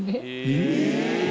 え！